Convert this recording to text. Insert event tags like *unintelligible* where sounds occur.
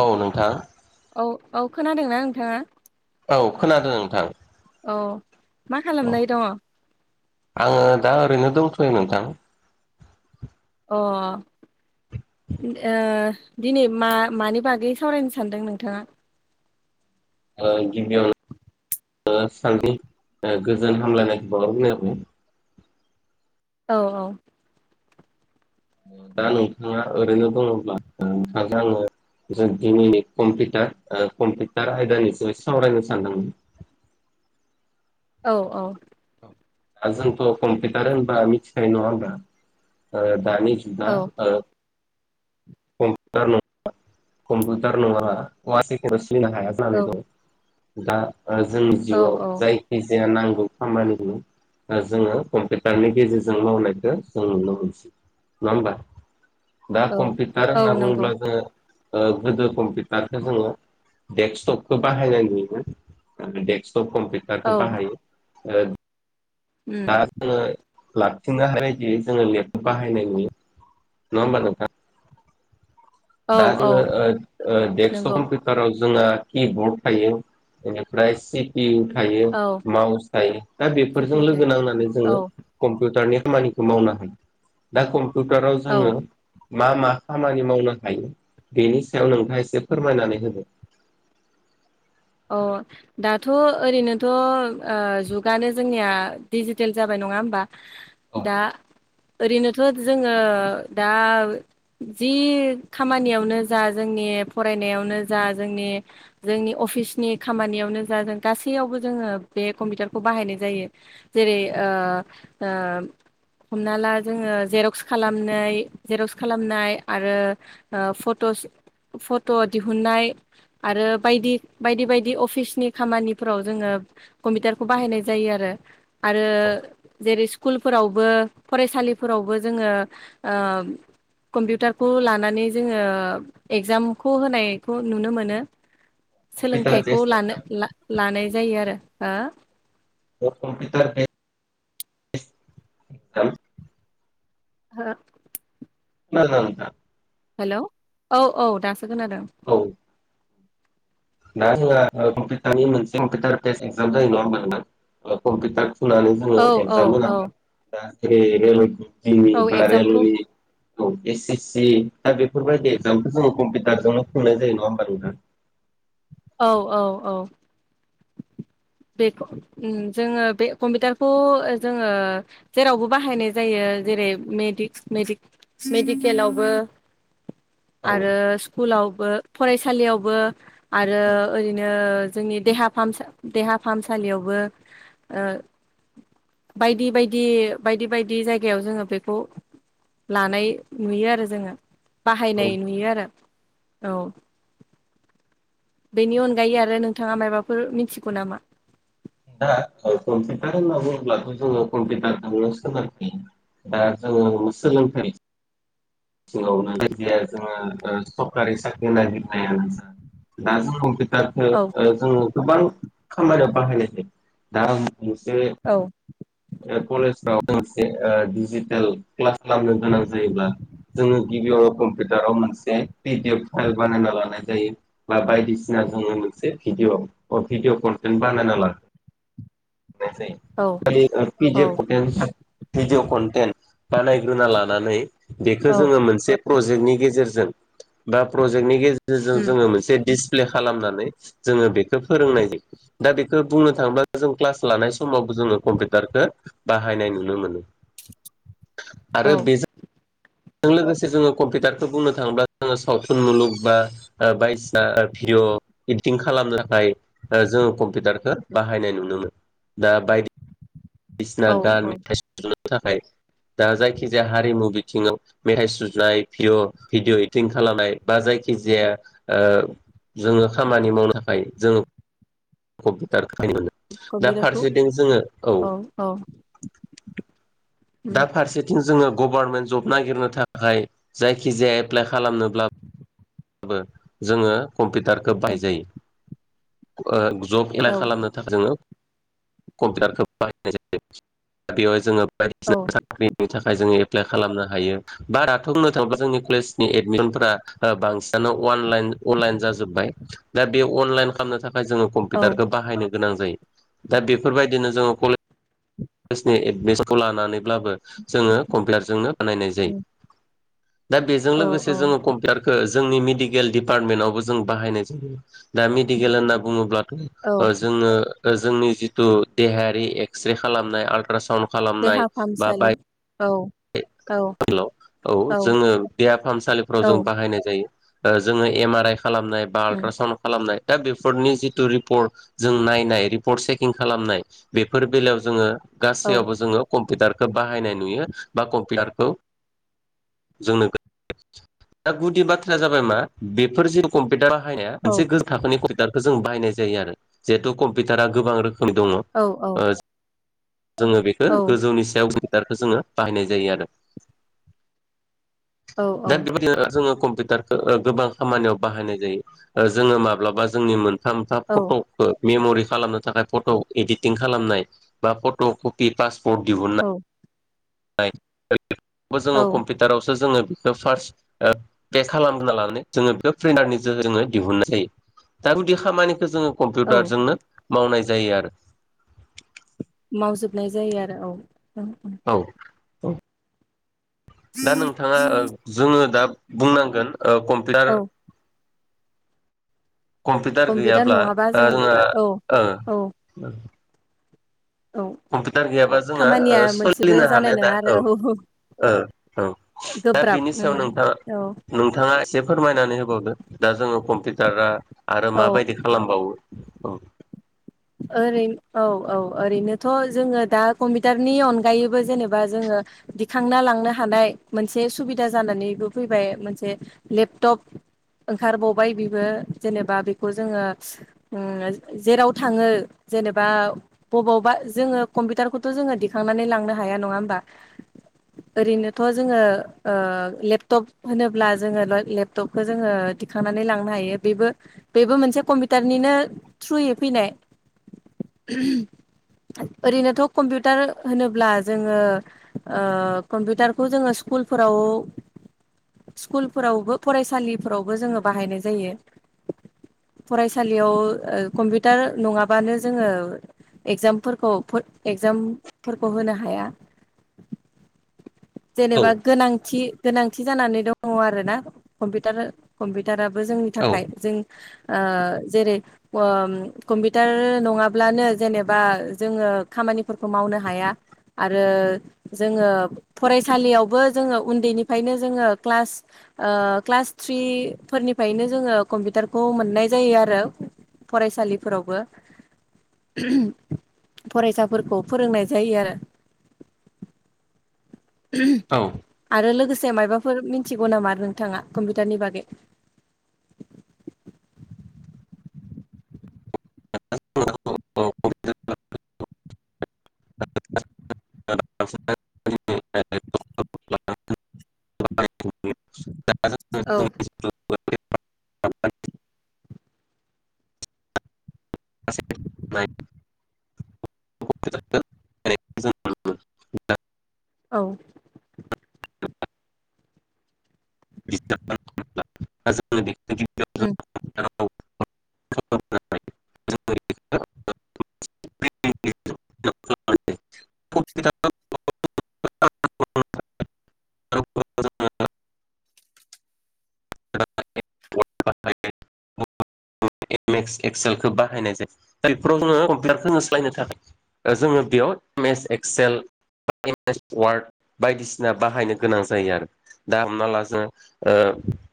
औ नोंथां। औ औ खोनादोंना नोंथाङा? औ खोनादों नोंथां। औ मा औ खालामना दङ? आङो दा ओरैनो दंथ'यो नोंथां। अ। ओ दिनै मा मानि बागै सावरायनो सानदों नोंथाङा? ओ गिबियावनो ओ सानैनि ओ गोजोन हामलायनायखौ बाउहरनाय *unintelligible* औ औ। दा नोंथाङा ओरैनो दङब्ला नोंथांजों आङो जों दिनैनि कम्पिउटार ओ कम्पिउटार आयदानि जै सावरायनो सानदोंमोन *inaudible* *unintelligible* औ औ जोंथ' कम्पिउटार होनबा मिथिखायो नङा होमबा ओ दानि औ जुगा ओ कम्पिउटार नङा कम्पिउतार नङाबा *unintelligible* सिलिनो हाया औ जानानै दं दा जोंनि औ जिउआव औ जायखिजाया नांगौ खामानिखौ जोङो कम्पिउटारनि गेजेरजों मावनायखौ जों नुनो मोनसै नङा होमबा दा औ कम्पिउटार औ होनना नंगौ बुङोब्ला जोङो ओ गोदो कम्पिउटारखौ जोङो डेक्सटपखौ बाहायनाय नुयोमोन आरो डेक्स सब कम्पिउटारखौ औ बाहायो ओ दा उम जोङो लाबथिंनोनो हानायबायदियै जोङो लेपटप बाहायनाय नुयो नङा होमबा नोंथां औ दा औ जोङो ओ ओ डेक्सटप नंगौ कम्पिवटाराव जोंना किबर्ड थायो बेनिफ्राय सि पि इउ थायो औ माउस थायो दा बेफोरजों सेफिउथाइ लोगो नांनानै औ जोङो कम्पिवटारनि खामानिखौ मावनो हायो दा कम्पिउटाराव औ जोङो मा मा खामानि मावनो हायो बेनि सायाव नोंथाङा एसे फोरमायनानै होदो अ दाथ' ओरैनोथ' ओ जुगानो जोंनिया डिजिटेल जाबाय नङा होमबा औ दा ओरैनोथ' जोङो दा जि खामानियावनो जा जोंनि फरायनायावनो जा जोंनि जोंनि अफिस नि खामानियावनो जा जों गासैयावबो जोङो बे कम्पिउटारखौ बाहायनाय जायो जेरै ओ ओ हमना ला जोङो जेरक्स खालामनाय जेरक्स खालामनाय आरो ओ फट' फट' दिहुननाय आरो बायदि बायदि बायदि अफिसनि खामानिफोराव जोङो कम्पिउटारखौ बाहायनाय जायोआरो आरो औ जेरै स्कुलफोरावबो फरायसालिफोरावबो जोङो ओ कम्पिउटारखौ लानानै जोङो एगजामखौ होनायखौ नुनो मोनो। कम्पिउटार सोलोंथाइखौ बेस लानो एक्जाम लानाय जायो आरो हो *unintelligible* *unintelligible* *unintelligible* नोंथां हेल' औ औ दासो खोनादों औ दा जोंहा कम्पिउटारनि मोनसे कम्पिउटार बेस एक्जाम जायो नङा होनबा नोंथां कम्पिटार थुनानै जोङो औ औ एगजाम औ होनांगोन रेनि औ बा एगजामखौ रेलवेनि औ एस एस सि दा बेफोरबायदि एगजामखौ जोङो कम्पिउटारजोंनो खुंनाय जायो नङा होमबा नोंथां। औ औ औ बेखौ जोङो बे कम्पिउटारखौ जोङो जेरावबो बाहायनाय जायो। जेरै - मेडिकेलावबो औ आरो स्कुलावबो फरायसालियावबो आरो ओरैनो जोंनि देहा फाहामसा देहा फाहामसालियावबो ओ बायदि बायदि बायदि बायदि जायगायाव जोङो बेखौ लानाय नुयो आरो जोङो औ बाहायनाय नुयो आरो औ बेनि अनगायै आरो नोंथाङा मायबाफोर मिथिगौ नामा दा‌धर कमपिटार होनना बुङोब्लाथ जोङो कयपिटारदोनो सोनारना‌ थायो। दा जोङो सोलोंथाइ सिङावनो जायखिजाया जोङो सरकारि साख्रि नागिरनायानो जा दा जों औ *unintelligible* *unintelligible* जोङो गोबां खामानियाव बाहायनाय जायो दा मोनसे औ ओ कलेजफ्राव मोनसे ओ डिजिटेल क्लास खालामनो गोनां जायोब्ला जोङो गिबियावनो कम्पिउटाराव मोनसे पिडि एफ फाइल बानायना लानाय जायो बा बायदिसिना दा जोङो‌ मोनसे भिडिअ' अ भिडिअ' कनटेन्ट बानायना ला *unintelligible* *inaudible* नाय औ औ जायो *unintelligible* भिदिअ' कनटेन बानायग्रोना लानानै बेखो औ जोङो मोनसे प्रजेक्टनि गेजेरजों बा प्रजेक्टनि गेजेरजों उम जोङो मोनसे दिस प्ले खालामनानै जोङो बेखो फोरोंनाय जायो। दा बेखो बुंनो थांङोब्ला जों क्लास लानाय समावबो जोङो कम्पे *unintelligible* टारदो बाहायनाय नुनो मोनो औ आरो बेजो *unintelligible* *unintelligible* जों लोगोसे जोङो कम्पिउटारखो बुंनो थाङोब्ला जोङो सावथुन मुलुग बा ओ बायजना ओ भि *unintelligible* र' इदिटिं खालामनो थाखाय ओ जोङो कम्पिउटारखो बाहायनाय नुनो मो *unintelligible* दा बायदिसिना औ गान औ मेथाइ सुजुनो थाखाय दा जायखिजाया हारिमु बिथिङाव मेथाइ सुजुनाय भिअ' भिडिअ' इदटिं खालामनाय बा जाय जायखि जाया ओ जोङो खामानि मावनो थाखाय जोङो कम्पिटार खाय मोनो दा कम्पिउटारखौ फारसेथिं जोङो औ दा उम फारसेथिं जोङो गबारनमेन्ट जब नागिरनो थाखाय जायखिजाया एप्लाइ खालामनोब्ला बो जोङो कम्पिटारखो औ बायजायो ओ गि *unintelligible* जब एलाइ औ खालामनो थाखाय जोङो कम्पिउटारखौ बाहायनाय जायो बेवहाय जोङो औ बायदिसिना साख्रिनि थाखाय जोङो एप प्लाइ खालामनो हायो बाराथ' बुंनो थाङोब्ला जोंनि कलेजनि एडमिसनफोरा ओ बां बांसिनानो अवानलाइन अनलाइन जाजोब्बाय दा बे अनलाइन खालामनो थाखाय जोङो औ कम्पिटारखो बाहायनो गोनां जायो दा बेफोरबायदिनो जोङो कले *unintelligible* *unintelligible* जनि एडमिसनखौ लानानैब्लाबो जोङो कम्पिवारजोंनो बानायनाय जायो। उम दा बेजों औ लोगोसे औ जोङो कम्पिउटारखो जोंनि मिदिक एल डिपार्टमेन्टआवबो जों बाहायनाय जायो दा मेडिकेल होनना बुङोब्लाथ' औ ओ जोङो ओ जोंनि जितु देहायारि एक्से खालामनाय आल्ट्रासन खालामनाय देहा बा फाहामसालि बाय औ औ *unintelligible* हेल' औ जोङो देहा फाहामसालिफ्राव औ जों बाहायनाय जा *unintelligible* *unintelligible* ओ जोङो एम आर आइ खालामनाय बा उम आलट्रासन खालामनाय दा बेफोरनि जितु रिपर्ट जों नायनाय रिपर्ट चेकिं खालामनाय बेफोर बेलायाव जोङो औ गासैयावबो जोङो कम्पिटारखो बाहायनाय नुयो। बा कम्पियारखो जोंनो *unintelligible* दा गुदि बाथ्राया जाबाय मा बेफोर जेरखम पिटारा हायनाया औ मोनसे गोज थाखोनि कम्पिउटारखो जों बायनाय जायो आरो जेहेतु कम्पिटारा गोबां रोख *unintelligible* दङ' औ औ ओज जोङो बेखो गोजौनि सायाव *unintelligible* खो जोङो बाहायनाय जायो आरो। औ दा बेबादिनो ओ जोंङो कम पिटारखो ओ गोबां खामानियाव बाहायनाय जायो ओ जोङो माब्लाबा जोंनि मोन सामथा फट'खो मेम'रि खालामनो थाखाय फट' इडिटिं खालामनाय बा फट' कपि पासपर्ट दिहुनना *unintelligible* बो जोङो औ कम्पिउटारावसो जोङो *unintelligible* ओ फार्स्ट ओ पे खालामना लानानै जोङो बेखौ *unintelligible* जोङो दिहुननाय जायो। दा गुदि खामानिखो जोङो औ कम्पिउटारजोंनो मावनाय जायो आरो। मावजोबनाय जायो आरो औ औ-औ औ औ दा नोंथाङा ओ जोङो दा बुंनांगोन ओ कम्पिउटार औ कम्पिउटार गैयाब्ला नङाबा दा जों जोंहा औ ओ औ *unintelligible* औ कम्पिउटार गैयाबा जोंङा खामानिया ओस मोनसेबो सोलिनो जानाय हानाय दा नङा औ आरो ओ औ दा गोब्राब बेनि उम सायाव नोंथाङ औ नोंथाङा एसे फोरमायनानै होबावदो दा जोङो कम्पिउटारा आरो औ माबायदि खालामबावो ओरै औ औ ओरैनोथ' जोङो दा कम्पिउटारनि अनगायैबो जेनेबा जोङो दिखांना लांनो हानाय मोनसे सुबिदा जानानैबो फैबाय मोनसे लेपटप ओंखारबावबाय बेबो जेनेबा बेखौ जोङो जेराव थाङो जेनेबा बबावबा जोङो कम्पिउटारखौथ' जोङो दिखांनानै लांनो हाया नङा होमबा आ ओरैनोथ' जोङो ओ लेपटप होनोब्ला जोङो लो लेपटपखौ जोङो दिखांनानै लांनो हायो बेबो बेबो मोनसे कमपिउारनिनो थ्रुयै फैनाय *unintelligible* ओरैनोथ' कम्पिउटार होनोब्ला जोङो ओ कम्पिउटारखौ जोङो सि स्कुलफोराव स्कुलफोरावबो फरायसालिफोरावबो जोङो बाहायनाय जायो। फरायसालियाव ओ कम्पिउटार नङा बानो जोङो एक्जामफोरखौ फो एगजामफोरखौ होनो हाया। जेनेबा औ गोनांथि गोनांथि जानानै दङ आरोना कम्पिउटार कम्पिउटारा। बो जोंनि थाखाय जों ओ जेरै उम कम्पिउटार नङाब्लानो जेनेबा जोङो खामानिफोरखौ मावनो हाया आरो जोङो फरायसालियावबो जोङो उन्दैनिफ्रायनो जोङो क्लास ओ क्लास थ्रि फोरनिफायनो जोङो कम्पिउटारखौ मोननाय जायो आरो फरायसालिफोरावबो। फरायसाफोरखौ फोरोंनाय जायो आरो। *inaudible* औ आरो लोगोस से मायबाफोर मिनथिगौ नामा नोंथाङा कम्पिउटारनि बागै? *unintelligible* *unintelligible* *unintelligible* औ। *unintelligible* *unintelligible* औ। उम *unintelligible* *unintelligible* *unintelligible* *unintelligible* *unintelligible* *unintelligible* एम एस एक्सचेलखौ बाहायनाय जायो दा बेफोराव जोङो कम्पिउटारखौ सालायनो थाखाय ओ जोङो बेयाव M S Excel M S Word बायदिसिना बाहायनो गोनां जायो आरो दा हमना ला जोङो ओ